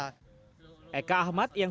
eka ahmad yang sudah berusaha